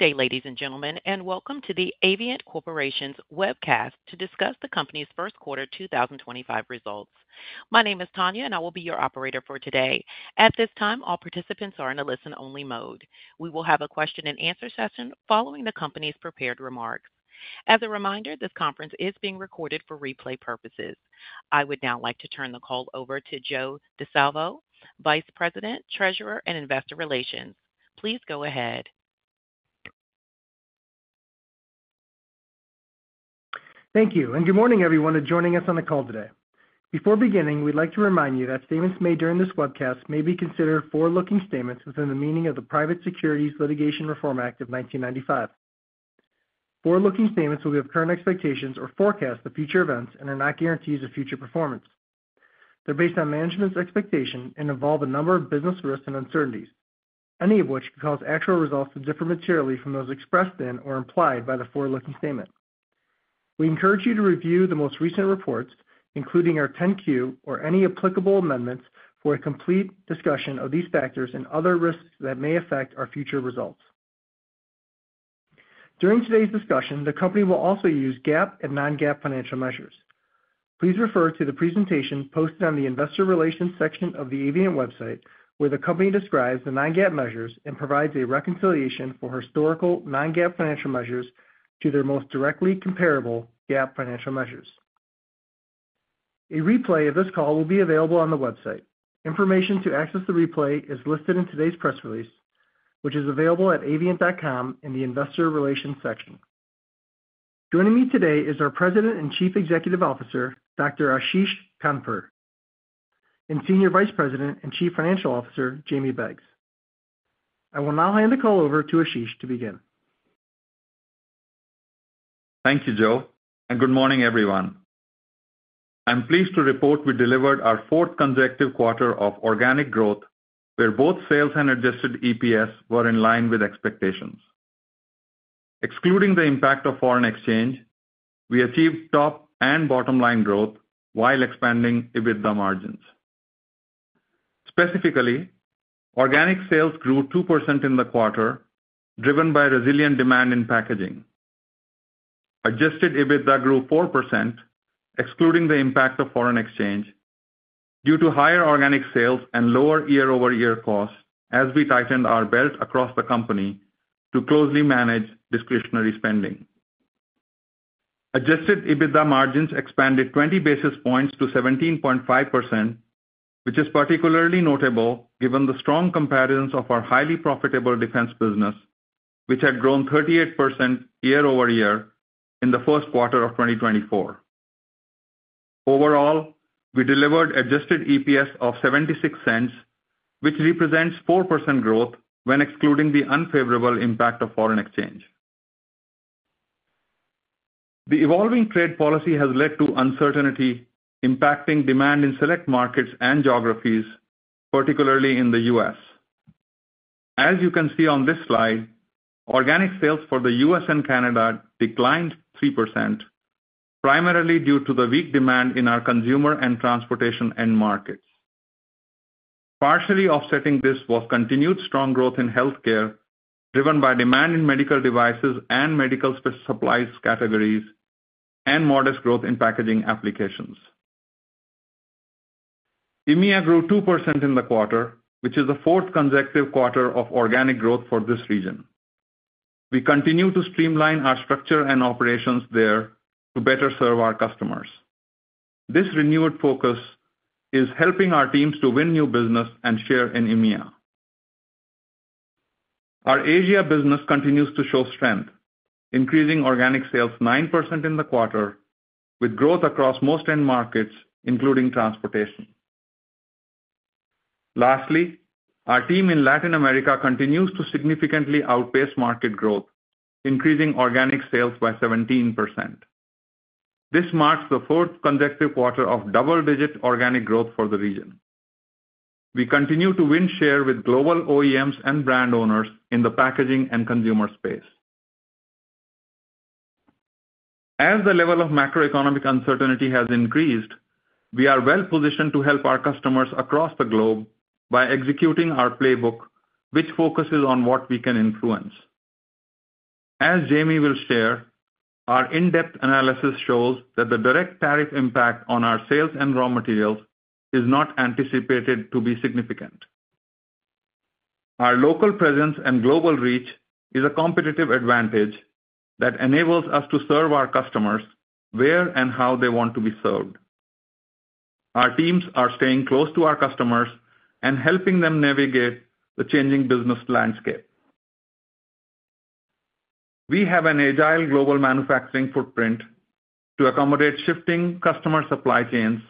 Okay, ladies and gentlemen, and welcome to the Avient Corporation's webcast to discuss the company's first quarter 2025 results. My name is Tanya, and I will be your operator for today. At this time, all participants are in a listen-only mode. We will have a question-and-answer session following the company's prepared remarks. As a reminder, this conference is being recorded for replay purposes. I would now like to turn the call over to Joe Di Salvo, Vice President, Treasurer and Investor Relations. Please go ahead. Thank you, and good morning, everyone joining us on the call today. Before beginning, we'd like to remind you that statements made during this webcast may be considered forward-looking statements within the meaning of the Private Securities Litigation Reform Act of 1995. Forward-looking statements will give current expectations or forecast future events and are not guarantees of future performance. They're based on management's expectation and involve a number of business risks and uncertainties, any of which can cause actual results to differ materially from those expressed in or implied by the forward-looking statement. We encourage you to review the most recent reports, including our 10-Q or any applicable amendments, for a complete discussion of these factors and other risks that may affect our future results. During today's discussion, the company will also use GAAP and non-GAAP financial measures. Please refer to the presentation posted on the Investor Relations section of the Avient website, where the company describes the non-GAAP measures and provides a reconciliation for historical non-GAAP financial measures to their most directly comparable GAAP financial measures. A replay of this call will be available on the website. Information to access the replay is listed in today's press release, which is available at avient.com in the Investor Relations section. Joining me today is our President and Chief Executive Officer, Dr. Ashish Khandpur, and Senior Vice President and Chief Financial Officer, Jamie Beggs. I will now hand the call over to Ashish to begin. Thank you, Joe, and good morning, everyone. I'm pleased to report we delivered our fourth consecutive quarter of organic growth, where both sales and adjusted EPS were in line with expectations. Excluding the impact of foreign exchange, we achieved top and bottom-line growth while expanding EBITDA margins. Specifically, organic sales grew 2% in the quarter, driven by resilient demand in packaging. Adjusted EBITDA grew 4%, excluding the impact of foreign exchange, due to higher organic sales and lower year-over-year costs as we tightened our belt across the company to closely manage discretionary spending. Adjusted EBITDA margins expanded 20 basis points to 17.5%, which is particularly notable given the strong comparisons of our highly profitable defense business, which had grown 38% year-over-year in the first quarter of 2024. Overall, we delivered adjusted EPS of $0.76, which represents 4% growth when excluding the unfavorable impact of foreign exchange. The evolving trade policy has led to uncertainty impacting demand in select markets and geographies, particularly in the U.S. As you can see on this slide, organic sales for the U.S. and Canada declined 3%, primarily due to the weak demand in our consumer and transportation end markets. Partially offsetting this was continued strong growth in healthcare, driven by demand in medical devices and medical supplies categories, and modest growth in packaging applications. EMEA grew 2% in the quarter, which is the fourth consecutive quarter of organic growth for this region. We continue to streamline our structure and operations there to better serve our customers. This renewed focus is helping our teams to win new business and share in EMEA. Our Asia business continues to show strength, increasing organic sales 9% in the quarter, with growth across most end markets, including transportation. Lastly, our team in Latin America continues to significantly outpace market growth, increasing organic sales by 17%. This marks the fourth consecutive quarter of double-digit organic growth for the region. We continue to win share with global OEMs and brand owners in the packaging and consumer space. As the level of macroeconomic uncertainty has increased, we are well-positioned to help our customers across the globe by executing our playbook, which focuses on what we can influence. As Jamie will share, our in-depth analysis shows that the direct tariff impact on our sales and raw materials is not anticipated to be significant. Our local presence and global reach is a competitive advantage that enables us to serve our customers where and how they want to be served. Our teams are staying close to our customers and helping them navigate the changing business landscape. We have an agile global manufacturing footprint to accommodate shifting customer supply chains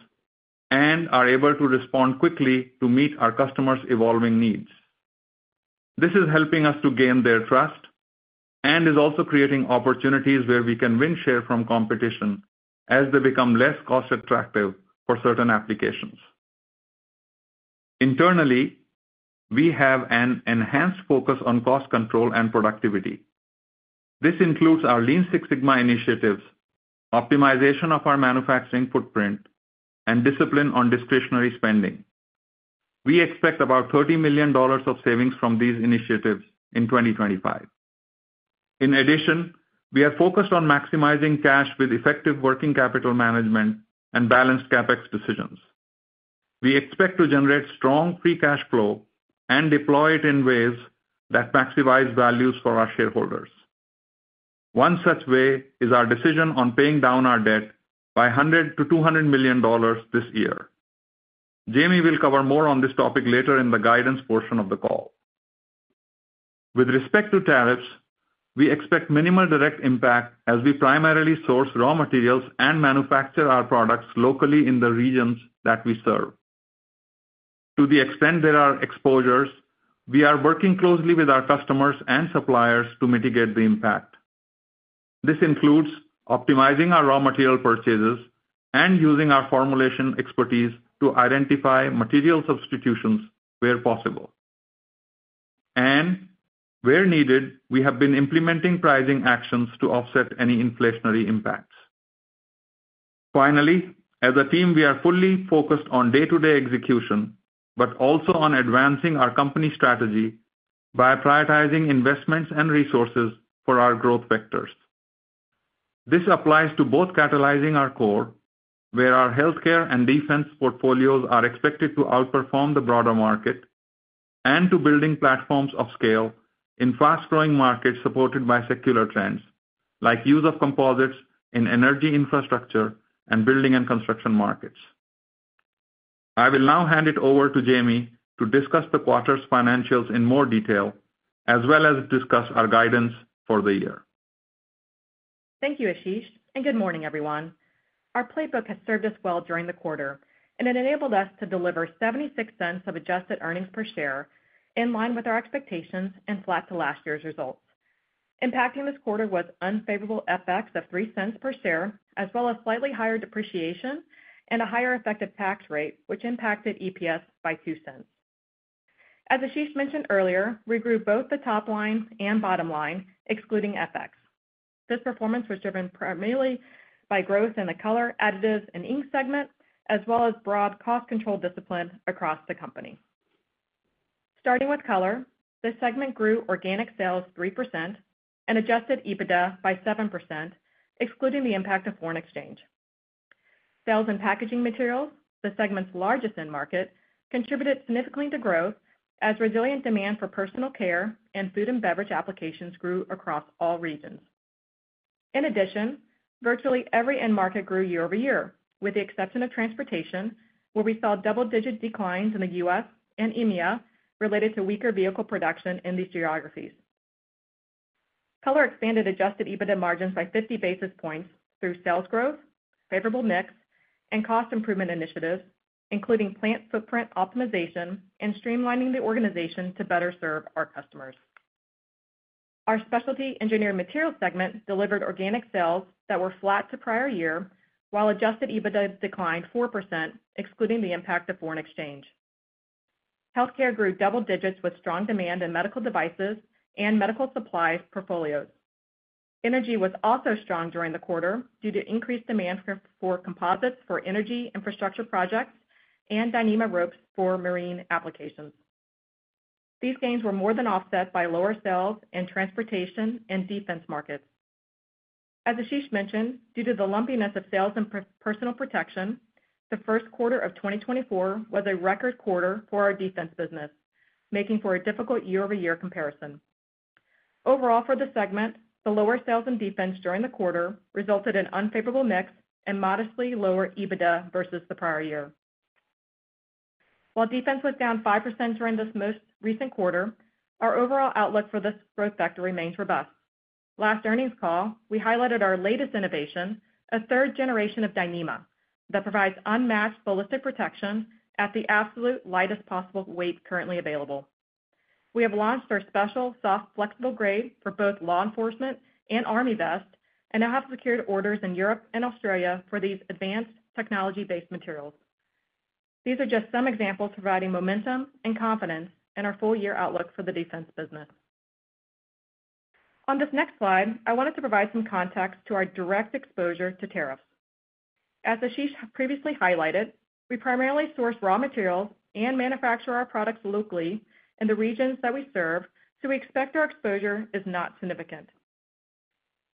and are able to respond quickly to meet our customers' evolving needs. This is helping us to gain their trust and is also creating opportunities where we can win share from competition as they become less cost-attractive for certain applications. Internally, we have an enhanced focus on cost control and productivity. This includes our Lean Six Sigma initiatives, optimization of our manufacturing footprint, and discipline on discretionary spending. We expect about $30 million of savings from these initiatives in 2025. In addition, we are focused on maximizing cash with effective working capital management and balanced CapEx decisions. We expect to generate strong free cash flow and deploy it in ways that maximize values for our shareholders. One such way is our decision on paying down our debt by $100-$200 million this year. Jamie will cover more on this topic later in the guidance portion of the call. With respect to tariffs, we expect minimal direct impact as we primarily source raw materials and manufacture our products locally in the regions that we serve. To the extent there are exposures, we are working closely with our customers and suppliers to mitigate the impact. This includes optimizing our raw material purchases and using our formulation expertise to identify material substitutions where possible. Where needed, we have been implementing pricing actions to offset any inflationary impacts. Finally, as a team, we are fully focused on day-to-day execution, but also on advancing our company strategy by prioritizing investments and resources for our growth vectors. This applies to both catalyzing our core, where our healthcare and defense portfolios are expected to outperform the broader market, and to building platforms of scale in fast-growing markets supported by secular trends, like use of composites in energy infrastructure and building and construction markets. I will now hand it over to Jamie to discuss the quarter's financials in more detail, as well as discuss our guidance for the year. Thank you, Ashish, and good morning, everyone. Our playbook has served us well during the quarter, and it enabled us to deliver $0.76 of adjusted earnings per share in line with our expectations and flat to last year's results. Impacting this quarter was unfavorable FX of $0.03 per share, as well as slightly higher depreciation and a higher effective tax rate, which impacted EPS by $0.02. As Ashish mentioned earlier, we grew both the top line and bottom line, excluding FX. This performance was driven primarily by growth in the color, additives, and ink segment, as well as broad cost control discipline across the company. Starting with color, the segment grew organic sales 3% and adjusted EBITDA by 7%, excluding the impact of foreign exchange. Sales and packaging materials, the segment's largest end market, contributed significantly to growth as resilient demand for personal care and food and beverage applications grew across all regions. In addition, virtually every end market grew year-over-year, with the exception of transportation, where we saw double-digit declines in the U.S. and EMEA related to weaker vehicle production in these geographies. Color expanded adjusted EBITDA margins by 50 basis points through sales growth, favorable mix, and cost improvement initiatives, including plant footprint optimization and streamlining the organization to better serve our customers. Our specialty engineered materials segment delivered organic sales that were flat to prior year, while adjusted EBITDA declined 4%, excluding the impact of foreign exchange. Healthcare grew double digits with strong demand in medical devices and medical supplies portfolios. Energy was also strong during the quarter due to increased demand for composites for energy infrastructure projects and Dyneema ropes for marine applications. These gains were more than offset by lower sales in transportation and defense markets. As Ashish mentioned, due to the lumpiness of sales in personal protection, the first quarter of 2024 was a record quarter for our defense business, making for a difficult year-over-year comparison. Overall, for the segment, the lower sales in defense during the quarter resulted in unfavorable mix and modestly lower EBITDA versus the prior year. While defense was down 5% during this most recent quarter, our overall outlook for this growth factor remains robust. Last earnings call, we highlighted our latest innovation, a third generation of Dyneema that provides unmatched ballistic protection at the absolute lightest possible weight currently available. We have launched our special soft flexible grade for both law enforcement and army vest and now have secured orders in Europe and Australia for these advanced technology-based materials. These are just some examples providing momentum and confidence in our full-year outlook for the defense business. On this next slide, I wanted to provide some context to our direct exposure to tariffs. As Ashish previously highlighted, we primarily source raw materials and manufacture our products locally in the regions that we serve, so we expect our exposure is not significant.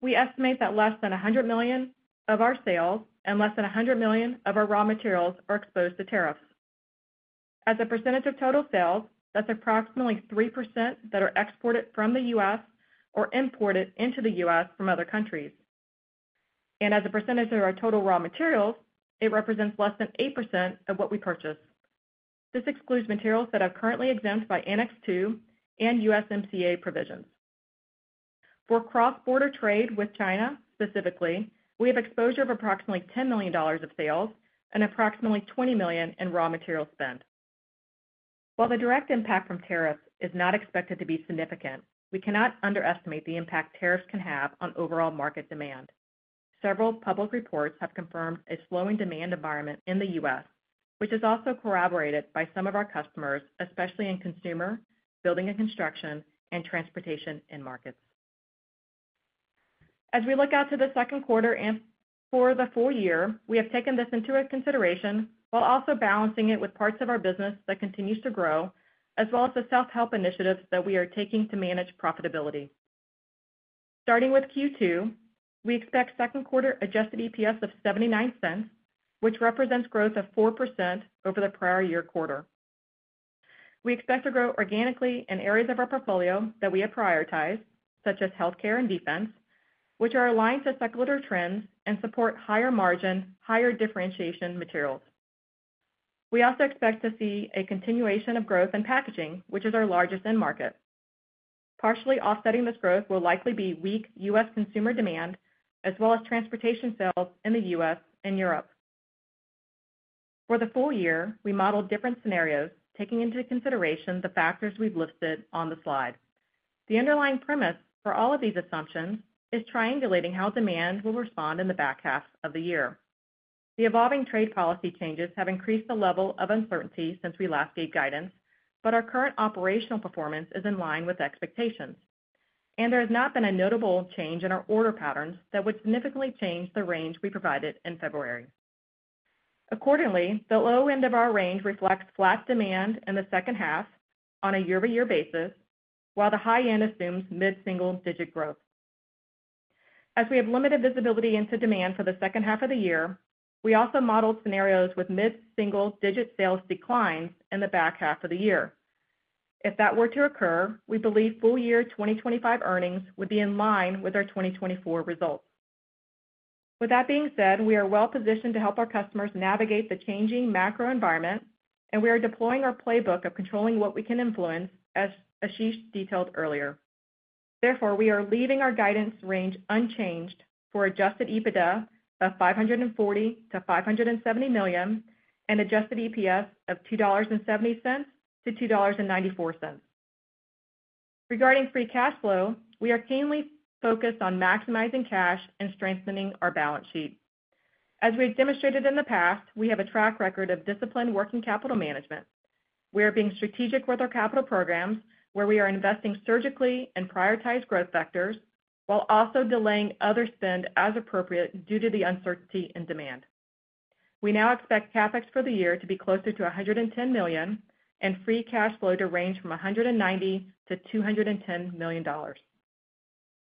We estimate that less than $100 million of our sales and less than $100 million of our raw materials are exposed to tariffs. As a percentage of total sales, that's approximately 3% that are exported from the U.S. or imported into the U.S. from other countries. As a percentage of our total raw materials, it represents less than 8% of what we purchase. This excludes materials that are currently exempt by Annex II and USMCA provisions. For cross-border trade with China specifically, we have exposure of approximately $10 million of sales and approximately $20 million in raw material spend. While the direct impact from tariffs is not expected to be significant, we cannot underestimate the impact tariffs can have on overall market demand. Several public reports have confirmed a slowing demand environment in the U.S., which is also corroborated by some of our customers, especially in consumer, building and construction, and transportation end markets. As we look out to the second quarter and for the full year, we have taken this into consideration while also balancing it with parts of our business that continues to grow, as well as the self-help initiatives that we are taking to manage profitability. Starting with Q2, we expect second quarter adjusted EPS of $0.79, which represents growth of 4% over the prior year quarter. We expect to grow organically in areas of our portfolio that we have prioritized, such as healthcare and defense, which are aligned to secular trends and support higher margin, higher differentiation materials. We also expect to see a continuation of growth in packaging, which is our largest end market. Partially offsetting this growth will likely be weak U.S. consumer demand, as well as transportation sales in the U.S. and Europe. For the full year, we modeled different scenarios, taking into consideration the factors we've listed on the slide. The underlying premise for all of these assumptions is triangulating how demand will respond in the back half of the year. The evolving trade policy changes have increased the level of uncertainty since we last gave guidance, but our current operational performance is in line with expectations, and there has not been a notable change in our order patterns that would significantly change the range we provided in February. Accordingly, the low end of our range reflects flat demand in the second half on a year-over-year basis, while the high end assumes mid-single digit growth. As we have limited visibility into demand for the second half of the year, we also modeled scenarios with mid-single digit sales declines in the back half of the year. If that were to occur, we believe full year 2025 earnings would be in line with our 2024 results. With that being said, we are well-positioned to help our customers navigate the changing macro environment, and we are deploying our playbook of controlling what we can influence, as Ashish detailed earlier. Therefore, we are leaving our guidance range unchanged for adjusted EBITDA of $540-$570 million and adjusted EPS of $2.70-$2.94. Regarding free cash flow, we are keenly focused on maximizing cash and strengthening our balance sheet. As we have demonstrated in the past, we have a track record of disciplined working capital management. We are being strategic with our capital programs, where we are investing surgically in prioritized growth vectors while also delaying other spend as appropriate due to the uncertainty in demand. We now expect CapEx for the year to be closer to $110 million and free cash flow to range from $190 million to $210 million.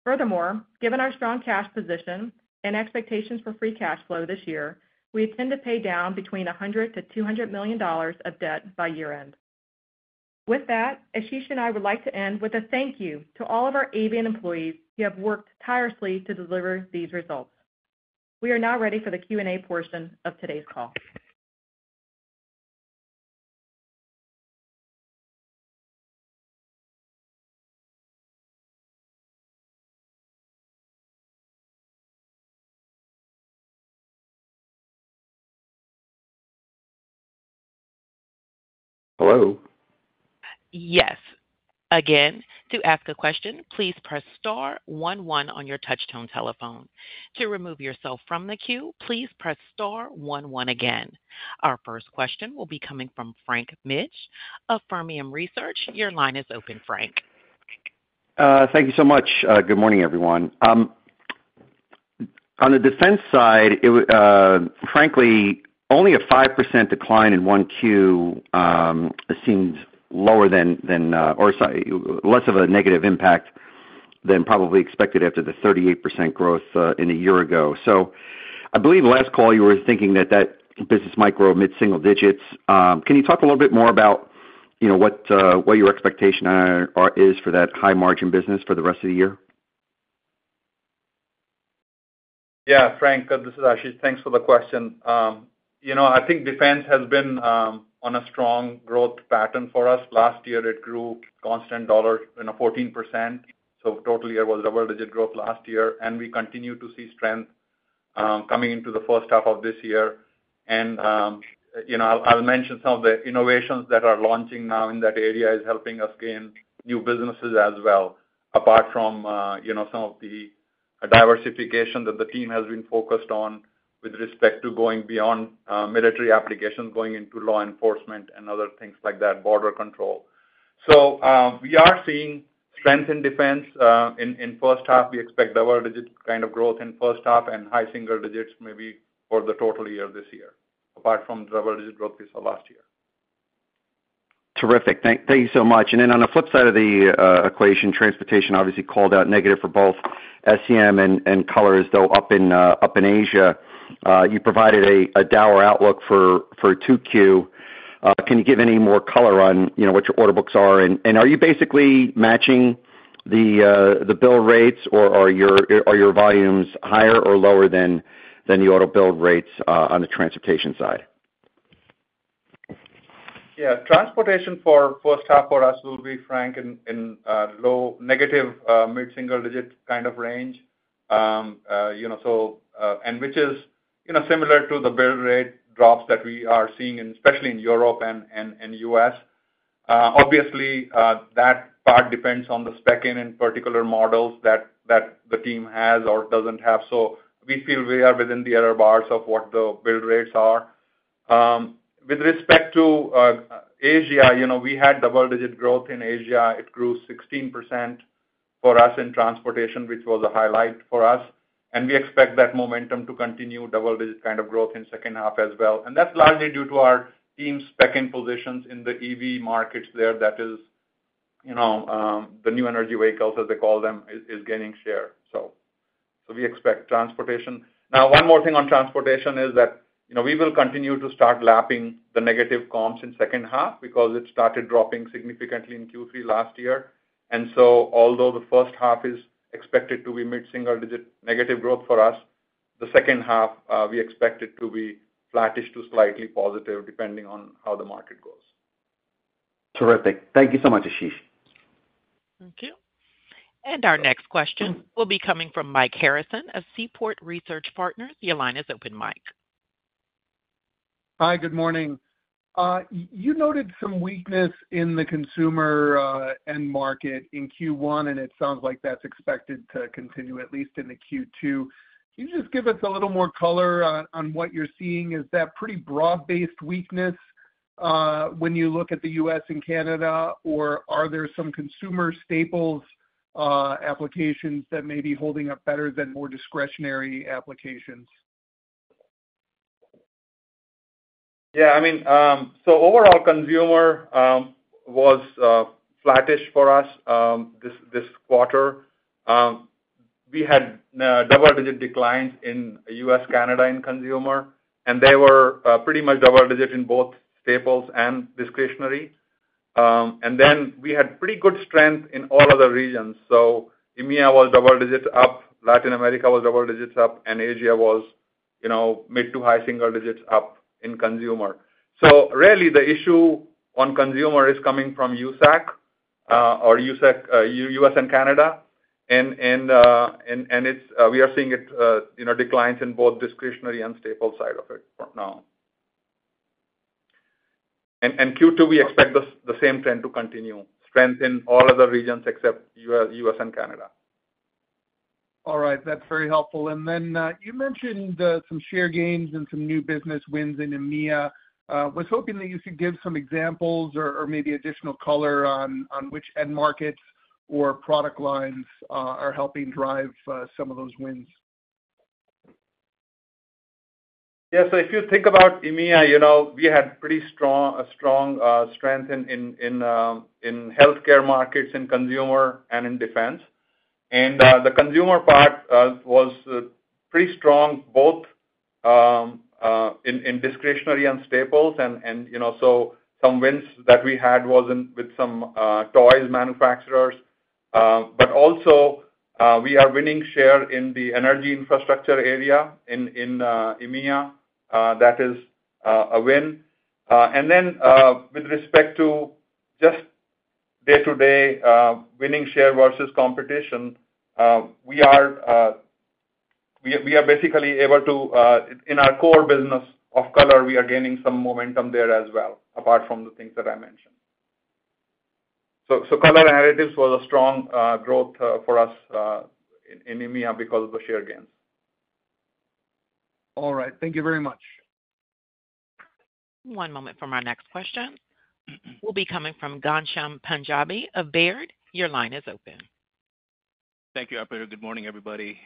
Furthermore, given our strong cash position and expectations for free cash flow this year, we intend to pay down between $100 million and $200 million of debt by year-end. With that, Ashish and I would like to end with a thank you to all of our Avient employees who have worked tirelessly to deliver these results. We are now ready for the Q&A portion of today's call. Hello. Yes. Again, to ask a question, please press star 11 on your touch-tone telephone. To remove yourself from the queue, please press star 11 again. Our first question will be coming from Frank Mitsch of Fermium Research. Your line is open, Frank. Thank you so much. Good morning, everyone. On the defense side, frankly, only a 5% decline in one Q seems lower than or less of a negative impact than probably expected after the 38% growth in a year ago. So I believe last call you were thinking that that business might grow mid-single digits. Can you talk a little bit more about what your expectation is for that high-margin business for the rest of the year? Yeah, Frank, this is Ashish. Thanks for the question. I think defense has been on a strong growth pattern for us. Last year, it grew constant dollar 14%. Total year was double-digit growth last year, and we continue to see strength coming into the first half of this year. I'll mention some of the innovations that are launching now in that area is helping us gain new businesses as well. Apart from some of the diversification that the team has been focused on with respect to going beyond military applications, going into law enforcement and other things like that, border control. We are seeing strength in defense. In first half, we expect double-digit kind of growth in first half and high single digits maybe for the total year this year, apart from double-digit growth we saw last year. Terrific. Thank you so much. Then on the flip side of the equation, transportation obviously called out negative for both SEM and colors, though up in Asia. You provided a dour outlook for Q2. Can you give any more color on what your order books are? Are you basically matching the bill rates, or are your volumes higher or lower than the order bill rates on the transportation side? Yeah. Transportation for first half for us will be, Frank, in low negative mid-single digit kind of range, and which is similar to the bill rate drops that we are seeing, especially in Europe and U.S. Obviously, that part depends on the spec in in particular models that the team has or does not have. We feel we are within the error bars of what the bill rates are. With respect to Asia, we had double-digit growth in Asia. It grew 16% for us in transportation, which was a highlight for us. We expect that momentum to continue, double-digit kind of growth in second half as well. That is largely due to our team's spec in positions in the EV markets there, that is, the new energy vehicles, as they call them, is gaining share. We expect transportation. Now, one more thing on transportation is that we will continue to start lapping the negative comms in the second half because it started dropping significantly in Q3 last year. Although the first half is expected to be mid-single digit negative growth for us, the second half we expect it to be flattish to slightly positive, depending on how the market goes. Terrific. Thank you so much, Ashish. Thank you. Our next question will be coming from Mike Harrison of Seaport Global Securities. Your line is open, Mike. Hi, good morning. You noted some weakness in the consumer end market in Q1, and it sounds like that's expected to continue, at least in the Q2. Can you just give us a little more color on what you're seeing? Is that pretty broad-based weakness when you look at the US and Canada, or are there some consumer staples applications that may be holding up better than more discretionary applications? Yeah. I mean, so overall, consumer was flattish for us this quarter. We had double-digit declines in U.S., Canada in consumer, and they were pretty much double-digit in both staples and discretionary. We had pretty good strength in all other regions. EMEA was double digits up, Latin America was double digits up, and Asia was mid to high single digits up in consumer. Really, the issue on consumer is coming from U.S. and Canada, and we are seeing declines in both discretionary and staple side of it now. In Q2, we expect the same trend to continue, strength in all other regions except U.S. and Canada. All right. That's very helpful. Then you mentioned some share gains and some new business wins in EMEA. I was hoping that you could give some examples or maybe additional color on which end markets or product lines are helping drive some of those wins. Yeah. If you think about EMEA, we had pretty strong strength in healthcare markets, in consumer, and in defense. The consumer part was pretty strong, both in discretionary and staples. Some wins that we had were with some toys manufacturers. We are also winning share in the energy infrastructure area in EMEA. That is a win. With respect to just day-to-day winning share versus competition, we are basically able to, in our core business of color, we are gaining some momentum there as well, apart from the things that I mentioned. Color narratives was a strong growth for us in EMEA because of the share gains. All right. Thank you very much. One moment for my next question. Will be coming from Ghansham Punjabi of Baird. Your line is open. Thank you, Abhir. Good morning, everybody.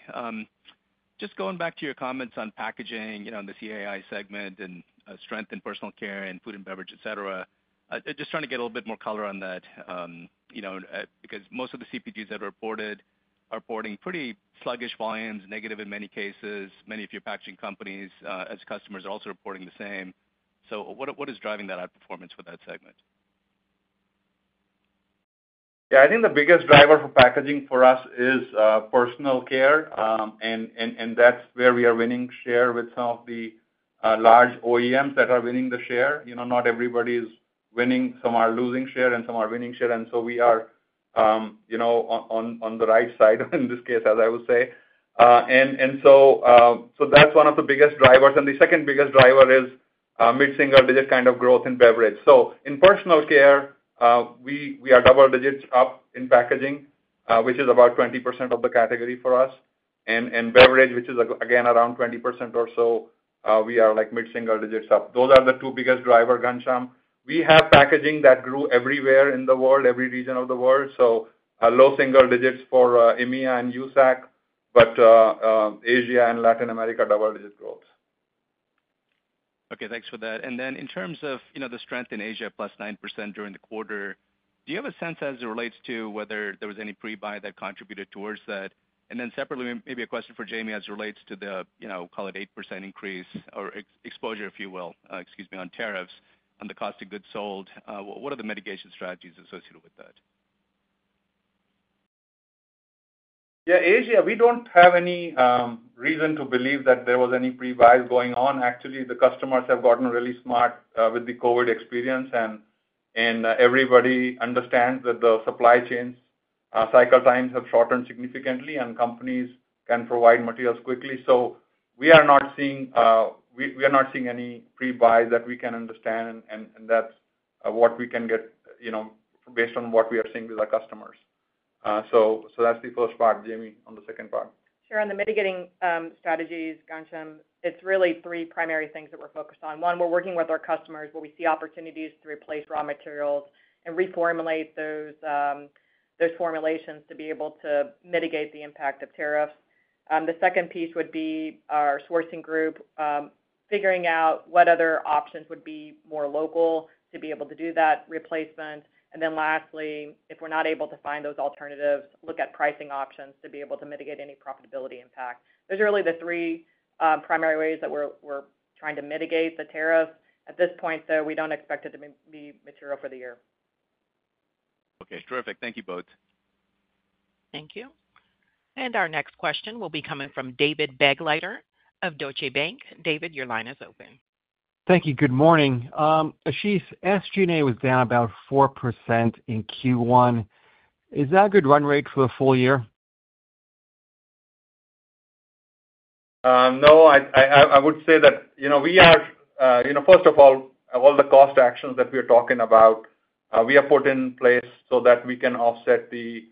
Just going back to your comments on packaging in the CAI segment and strength in personal care and food and beverage, etc., just trying to get a little bit more color on that because most of the CPGs that are reported are reporting pretty sluggish volumes, negative in many cases. Many of your packaging companies, as customers, are also reporting the same. What is driving that outperformance for that segment? Yeah. I think the biggest driver for packaging for us is personal care, and that's where we are winning share with some of the large OEMs that are winning the share. Not everybody is winning. Some are losing share, and some are winning share. We are on the right side, in this case, as I would say. That's one of the biggest drivers. The second biggest driver is mid-single digit kind of growth in beverage. In personal care, we are double digits up in packaging, which is about 20% of the category for us. Beverage, which is, again, around 20% or so, we are mid-single digits up. Those are the two biggest drivers, Ghansham. We have packaging that grew everywhere in the world, every region of the world. Low single digits for EMEA and US and Canada, but Asia and Latin America double-digit growth. Okay. Thanks for that. In terms of the strength in Asia, plus 9% during the quarter, do you have a sense as it relates to whether there was any pre-buy that contributed towards that? Separately, maybe a question for Jamie as it relates to the, call it, 8% increase or exposure, if you will, excuse me, on tariffs on the cost of goods sold. What are the mitigation strategies associated with that? Yeah. Asia, we do not have any reason to believe that there was any pre-buys going on. Actually, the customers have gotten really smart with the COVID experience, and everybody understands that the supply chain cycle times have shortened significantly, and companies can provide materials quickly. We are not seeing any pre-buys that we can understand, and that is what we can get based on what we are seeing with our customers. That is the first part. Jamie, on the second part. Sure. On the mitigating strategies, Ghansham, it's really three primary things that we're focused on. One, we're working with our customers where we see opportunities to replace raw materials and reformulate those formulations to be able to mitigate the impact of tariffs. The second piece would be our sourcing group, figuring out what other options would be more local to be able to do that replacement. Lastly, if we're not able to find those alternatives, look at pricing options to be able to mitigate any profitability impact. Those are really the three primary ways that we're trying to mitigate the tariffs. At this point, though, we do not expect it to be material for the year. Okay. Terrific. Thank you both. Thank you. Our next question will be coming from David Begleiter of Deutsche Bank. David, your line is open. Thank you. Good morning. Ashish, SG&A was down about 4% in Q1. Is that a good run rate for the full year? No. I would say that we are, first of all, all the cost actions that we are talking about, we have put in place so that we can offset the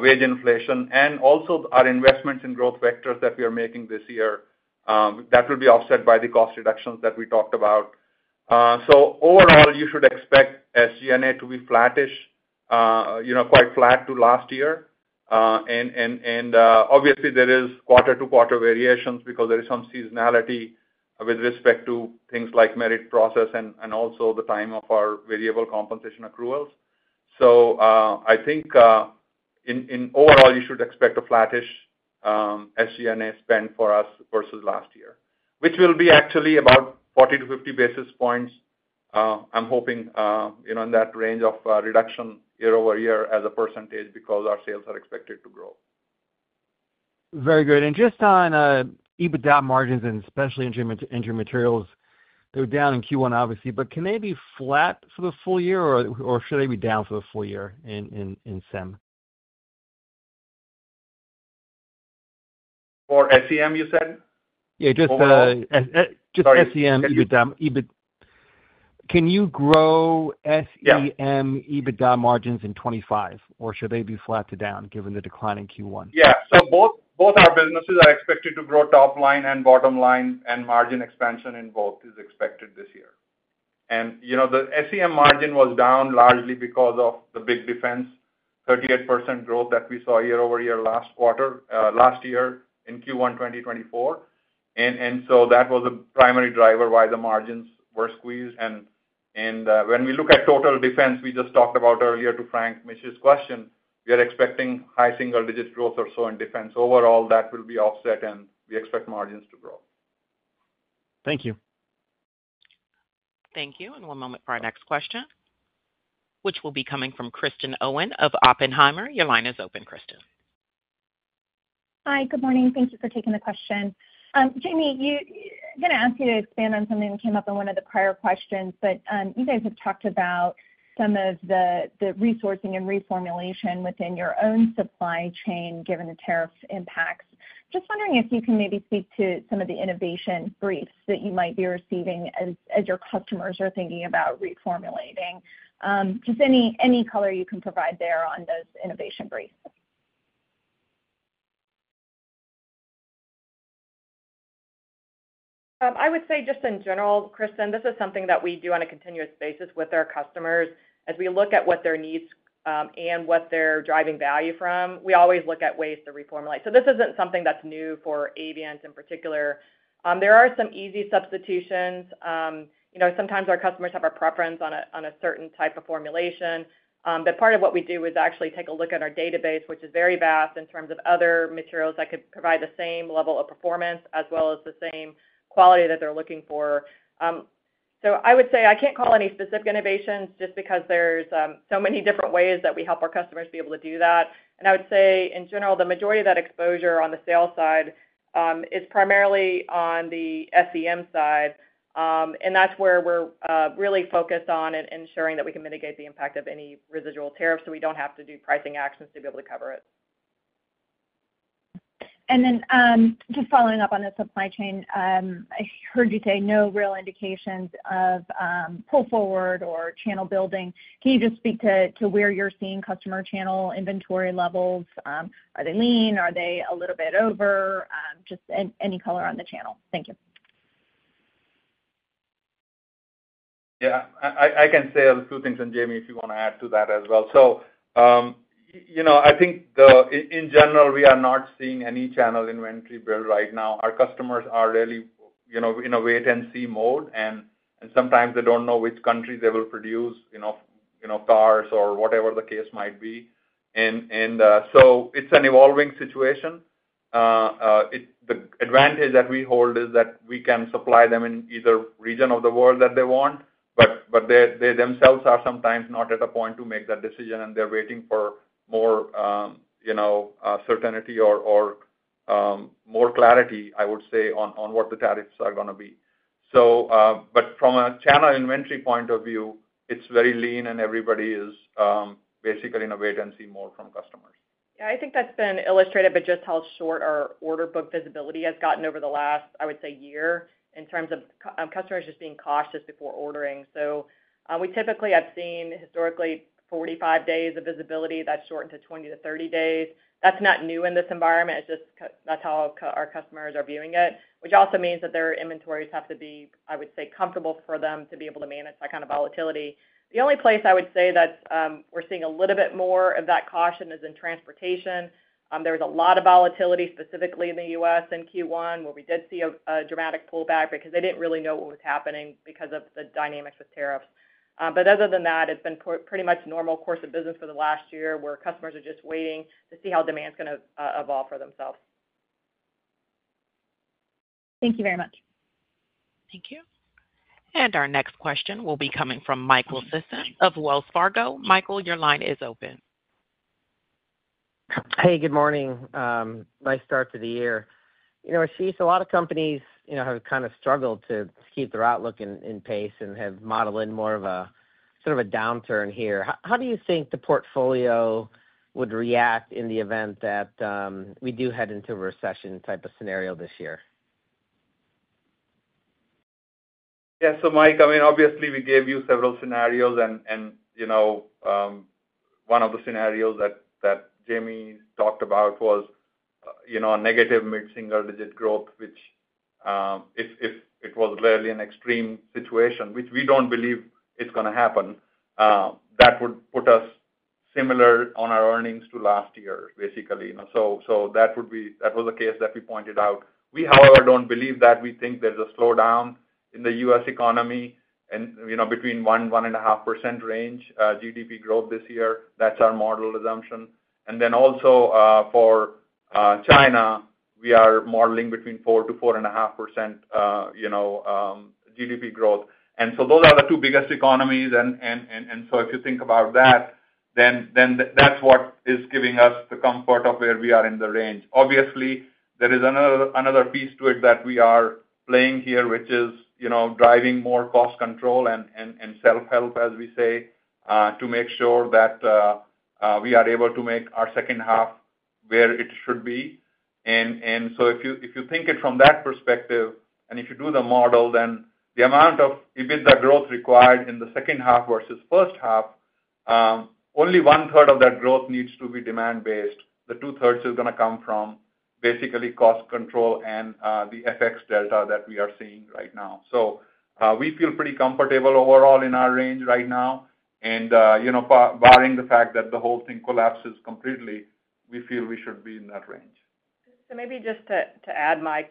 wage inflation and also our investments in growth vectors that we are making this year. That will be offset by the cost reductions that we talked about. Overall, you should expect SG&A to be flattish, quite flat to last year. Obviously, there is quarter-to-quarter variations because there is some seasonality with respect to things like merit process and also the time of our variable compensation accruals. I think overall, you should expect a flattish SG&A spend for us versus last year, which will be actually about 40-50 basis points. I'm hoping in that range of reduction year over year as a percentage because our sales are expected to grow. Very good. Just on EBITDA margins and especially into materials, they're down in Q1, obviously, but can they be flat for the full year, or should they be down for the full year in SEM? For SEM, you said? Yeah. Just SEM, EBITDA. Can you grow SEM EBITDA margins in 2025, or should they be flat to down given the decline in Q1? Yeah. Both our businesses are expected to grow top line and bottom line, and margin expansion in both is expected this year. The SEM margin was down largely because of the big defense, 38% growth that we saw year over year last year in Q1 2024. That was a primary driver why the margins were squeezed. When we look at total defense, we just talked about earlier to Frank Mitsch's question, we are expecting high single digit growth or so in defense. Overall, that will be offset, and we expect margins to grow. Thank you. Thank you. One moment for our next question, which will be coming from Kristen Owen of Oppenheimer. Your line is open, Kristen. Hi. Good morning. Thank you for taking the question. Jamie, I'm going to ask you to expand on something that came up in one of the prior questions, but you guys have talked about some of the resourcing and reformulation within your own supply chain given the tariff impacts. Just wondering if you can maybe speak to some of the innovation briefs that you might be receiving as your customers are thinking about reformulating. Just any color you can provide there on those innovation briefs. I would say just in general, Kristen, this is something that we do on a continuous basis with our customers. As we look at what their needs and what they are driving value from, we always look at ways to reformulate. This is not something that is new for Avient in particular. There are some easy substitutions. Sometimes our customers have a preference on a certain type of formulation. Part of what we do is actually take a look at our database, which is very vast in terms of other materials that could provide the same level of performance as well as the same quality that they are looking for. I would say I cannot call any specific innovations just because there are so many different ways that we help our customers be able to do that. I would say, in general, the majority of that exposure on the sales side is primarily on the SEM side. That is where we're really focused on ensuring that we can mitigate the impact of any residual tariffs so we don't have to do pricing actions to be able to cover it. Just following up on the supply chain, I heard you say no real indications of pull forward or channel building. Can you just speak to where you're seeing customer channel inventory levels? Are they lean? Are they a little bit over? Just any color on the channel. Thank you. Yeah. I can say a few things, and Jamie, if you want to add to that as well. I think, in general, we are not seeing any channel inventory build right now. Our customers are really in a wait-and-see mode, and sometimes they do not know which country they will produce cars or whatever the case might be. It is an evolving situation. The advantage that we hold is that we can supply them in either region of the world that they want, but they themselves are sometimes not at a point to make that decision, and they are waiting for more certainty or more clarity, I would say, on what the tariffs are going to be. From a channel inventory point of view, it is very lean, and everybody is basically in a wait-and-see mode from customers. Yeah. I think that's been illustrated by just how short our order book visibility has gotten over the last, I would say, year in terms of customers just being cautious before ordering. We typically have seen, historically, 45 days of visibility. That's shortened to 20-30 days. That's not new in this environment. It's just that's how our customers are viewing it, which also means that their inventories have to be, I would say, comfortable for them to be able to manage that kind of volatility. The only place I would say that we're seeing a little bit more of that caution is in transportation. There was a lot of volatility specifically in the U.S. in Q1, where we did see a dramatic pullback because they didn't really know what was happening because of the dynamics with tariffs. Other than that, it's been pretty much a normal course of business for the last year where customers are just waiting to see how demand's going to evolve for themselves. Thank you very much. Thank you. Our next question will be coming from Michael Sison of Wells Fargo. Michael, your line is open. Hey, good morning. Nice start to the year. Ashish, a lot of companies have kind of struggled to keep their outlook in pace and have modeled in more of a sort of a downturn here. How do you think the portfolio would react in the event that we do head into a recession type of scenario this year? Yeah. Mike, I mean, obviously, we gave you several scenarios, and one of the scenarios that Jamie talked about was a negative mid-single digit growth, which if it was really an extreme situation, which we do not believe is going to happen, that would put us similar on our earnings to last year, basically. That was a case that we pointed out. We, however, do not believe that. We think there is a slowdown in the U.S. economy between 1-1.5% range GDP growth this year. That is our model assumption. Also for China, we are modeling between 4-4.5% GDP growth. Those are the two biggest economies. If you think about that, then that is what is giving us the comfort of where we are in the range. Obviously, there is another piece to it that we are playing here, which is driving more cost control and self-help, as we say, to make sure that we are able to make our second half where it should be. If you think it from that perspective, and if you do the model, then the amount of EBITDA growth required in the second half versus first half, only one-third of that growth needs to be demand-based. The two-thirds is going to come from basically cost control and the FX delta that we are seeing right now. We feel pretty comfortable overall in our range right now. Barring the fact that the whole thing collapses completely, we feel we should be in that range. Maybe just to add, Mike,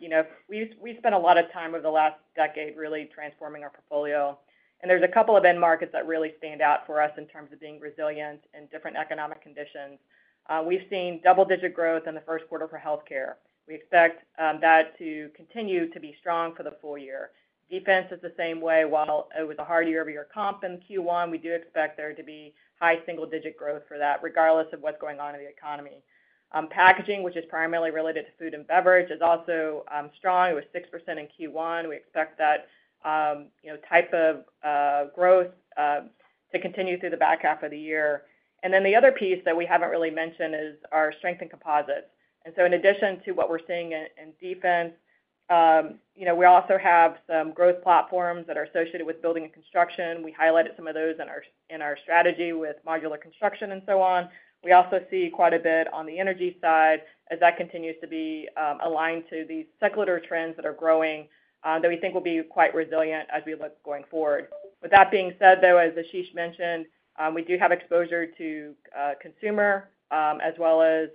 we spent a lot of time over the last decade really transforming our portfolio. There are a couple of end markets that really stand out for us in terms of being resilient in different economic conditions. We've seen double-digit growth in the first quarter for healthcare. We expect that to continue to be strong for the full year. Defense is the same way. While it was a hard year over year comp in Q1, we do expect there to be high single-digit growth for that regardless of what's going on in the economy. Packaging, which is primarily related to food and beverage, is also strong. It was 6% in Q1. We expect that type of growth to continue through the back half of the year. The other piece that we haven't really mentioned is our strength in composites. In addition to what we're seeing in defense, we also have some growth platforms that are associated with building and construction. We highlighted some of those in our strategy with modular construction and so on. We also see quite a bit on the energy side as that continues to be aligned to these circular trends that are growing that we think will be quite resilient as we look going forward. With that being said, though, as Ashish mentioned, we do have exposure to consumer as well as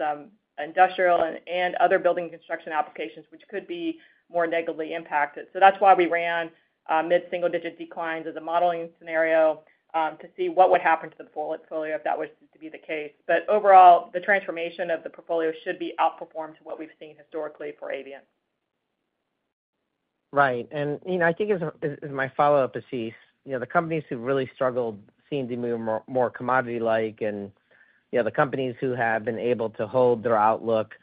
industrial and other building construction applications, which could be more negatively impacted. That is why we ran mid-single digit declines as a modeling scenario to see what would happen to the portfolio if that was to be the case. Overall, the transformation of the portfolio should be outperformed to what we've seen historically for Avient. Right. I think as my follow-up, Ashish, the companies who've really struggled seem to be more commodity-like, and the companies who have been able to hold their outlook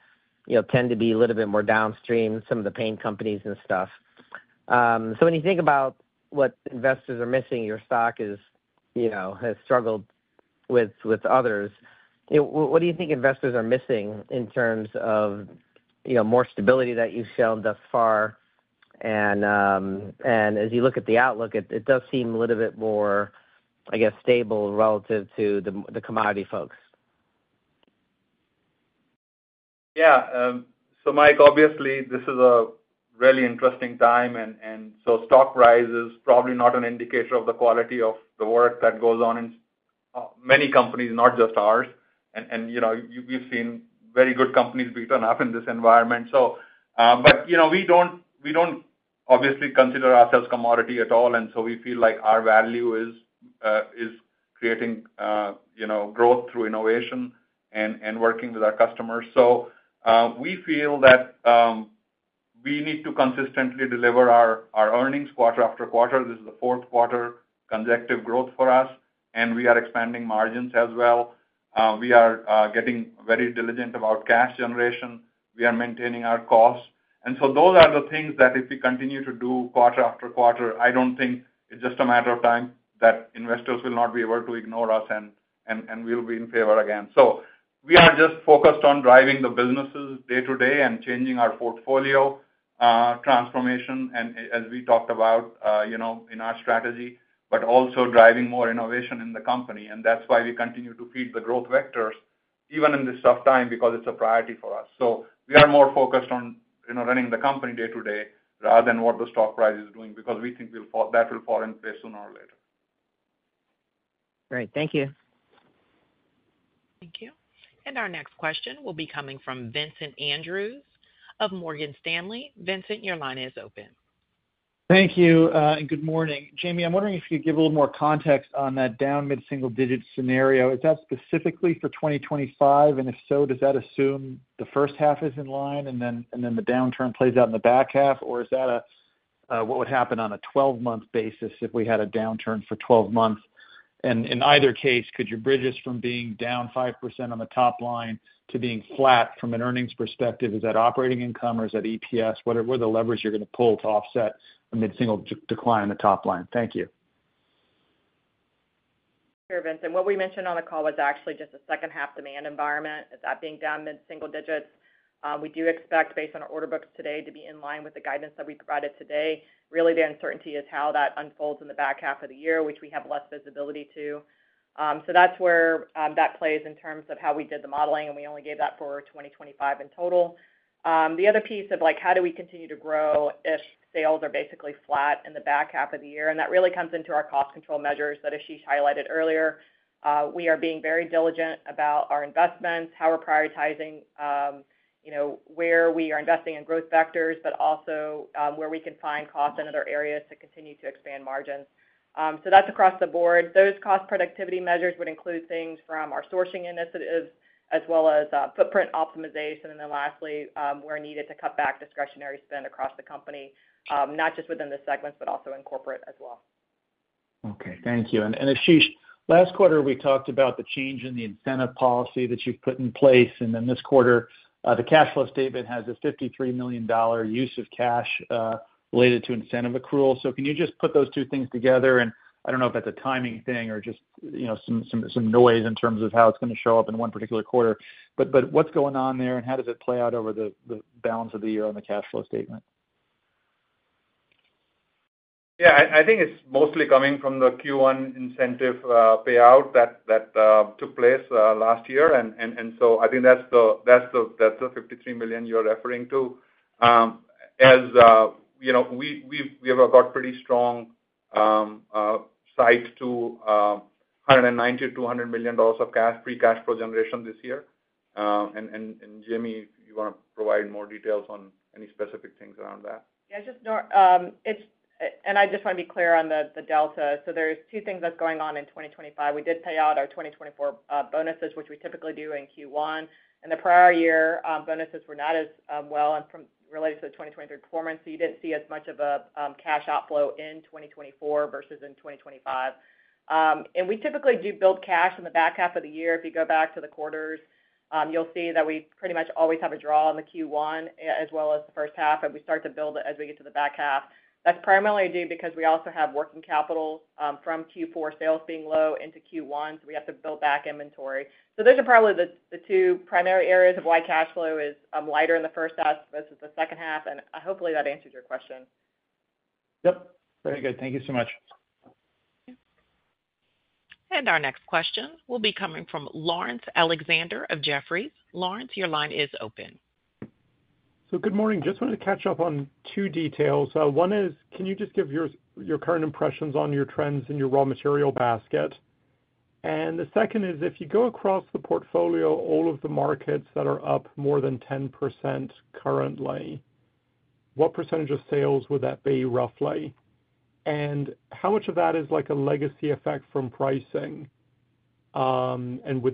tend to be a little bit more downstream, some of the paint companies and stuff. When you think about what investors are missing, your stock has struggled with others. What do you think investors are missing in terms of more stability that you've shown thus far? As you look at the outlook, it does seem a little bit more, I guess, stable relative to the commodity folks. Yeah. Mike, obviously, this is a really interesting time. Stock price is probably not an indicator of the quality of the work that goes on in many companies, not just ours. We have seen very good companies beat on up in this environment. We do not obviously consider ourselves commodity at all. We feel like our value is creating growth through innovation and working with our customers. We feel that we need to consistently deliver our earnings quarter after quarter. This is the fourth quarter consecutive growth for us, and we are expanding margins as well. We are getting very diligent about cash generation. We are maintaining our costs. Those are the things that if we continue to do quarter after quarter, I do not think it is just a matter of time that investors will not be able to ignore us and we will be in favor again. We are just focused on driving the businesses day to day and changing our portfolio transformation, as we talked about in our strategy, but also driving more innovation in the company. That is why we continue to feed the growth vectors even in this tough time because it is a priority for us. We are more focused on running the company day to day rather than what the stock price is doing because we think that will fall in place sooner or later. Great. Thank you. Thank you. Our next question will be coming from Vincent Andrews of Morgan Stanley. Vincent, your line is open. Thank you. Good morning. Jamie, I'm wondering if you could give a little more context on that down mid-single digit scenario. Is that specifically for 2025? If so, does that assume the first half is in line and then the downturn plays out in the back half? Is that what would happen on a 12-month basis if we had a downturn for 12 months? In either case, could you bridge us from being down 5% on the top line to being flat from an earnings perspective? Is that operating income or is that EPS? What are the levers you're going to pull to offset a mid-single decline in the top line? Thank you. Sure, Vincent. What we mentioned on the call was actually just a second-half demand environment. Is that being down mid-single digits? We do expect, based on our order books today, to be in line with the guidance that we provided today. Really, the uncertainty is how that unfolds in the back half of the year, which we have less visibility to. That is where that plays in terms of how we did the modeling, and we only gave that for 2025 in total. The other piece of how do we continue to grow if sales are basically flat in the back half of the year? That really comes into our cost control measures that Ashish highlighted earlier. We are being very diligent about our investments, how we're prioritizing where we are investing in growth vectors, but also where we can find costs in other areas to continue to expand margins. That is across the board. Those cost productivity measures would include things from our sourcing initiatives as well as footprint optimization. Lastly, where needed to cut back discretionary spend across the company, not just within the segments, but also in corporate as well. Okay. Thank you. Ashish, last quarter, we talked about the change in the incentive policy that you have put in place. This quarter, the cash flow statement has a $53 million use of cash related to incentive accrual. Can you just put those two things together? I do not know if that is a timing thing or just some noise in terms of how it is going to show up in one particular quarter. What is going on there, and how does it play out over the balance of the year on the cash flow statement? Yeah. I think it's mostly coming from the Q1 incentive payout that took place last year. I think that's the $53 million you're referring to. We have got pretty strong sights to $190-$200 million of cash, free cash flow generation this year. Jamie, if you want to provide more details on any specific things around that. Yeah. I just want to be clear on the delta. There are two things going on in 2025. We did pay out our 2024 bonuses, which we typically do in Q1. The prior year bonuses were not as well related to the 2023 performance, so you did not see as much of a cash outflow in 2024 versus in 2025. We typically do build cash in the back half of the year. If you go back to the quarters, you will see that we pretty much always have a draw in Q1 as well as the first half. We start to build it as we get to the back half. That is primarily due to the fact that we also have working capital from Q4 sales being low into Q1, so we have to build back inventory. Those are probably the two primary areas of why cash flow is lighter in the first half versus the second half. Hopefully, that answers your question. Yep. Very good. Thank you so much. Our next question will be coming from Laurence Alexander of Jefferies. Laurence, your line is open. Good morning. Just wanted to catch up on two details. One is, can you just give your current impressions on your trends in your raw material basket? The second is, if you go across the portfolio, all of the markets that are up more than 10% currently, what percentage of sales would that be roughly? How much of that is like a legacy effect from pricing? Would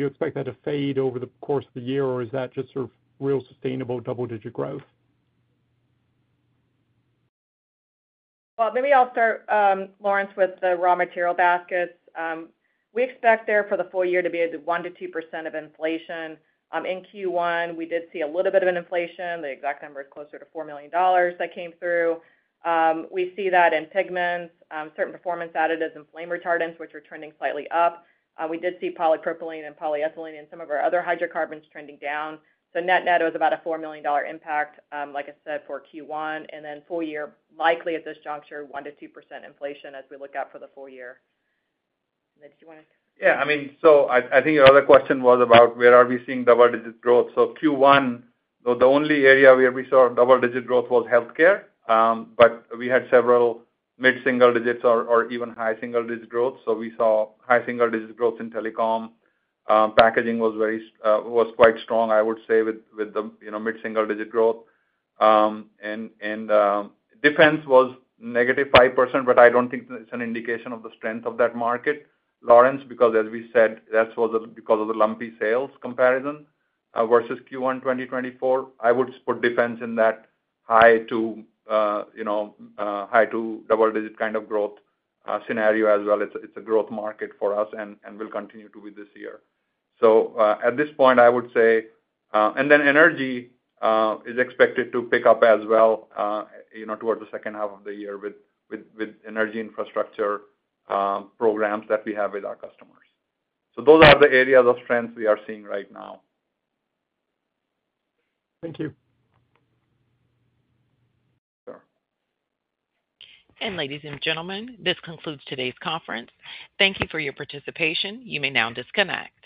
you expect that to fade over the course of the year, or is that just sort of real sustainable double-digit growth? Maybe I'll start, Lawrence, with the raw material baskets. We expect there for the full year to be 1-2% of inflation. In Q1, we did see a little bit of inflation. The exact number is closer to $4 million that came through. We see that in pigments, certain performance additives, and flame retardants, which are trending slightly up. We did see polypropylene and polyethylene and some of our other hydrocarbons trending down. Net net was about a $4 million impact, like I said, for Q1. Full year, likely at this juncture, 1-2% inflation as we look out for the full year. Did you want to? Yeah. I mean, I think your other question was about where are we seeing double-digit growth. Q1, the only area where we saw double-digit growth was healthcare. We had several mid-single digits or even high single digit growth. We saw high single digit growth in telecom. Packaging was quite strong, I would say, with mid-single digit growth. Defense was negative 5%, but I do not think it is an indication of the strength of that market, Lawrence, because, as we said, that was because of the lumpy sales comparison versus Q1 2024. I would put defense in that high to double-digit kind of growth scenario as well. It is a growth market for us and will continue to be this year. At this point, I would say, and then energy is expected to pick up as well towards the second half of the year with energy infrastructure programs that we have with our customers. Those are the areas of strength we are seeing right now. Thank you. Ladies and gentlemen, this concludes today's conference. Thank you for your participation. You may now disconnect.